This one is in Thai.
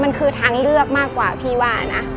มันคือทางเลือกมากกว่าพี่ว่านะ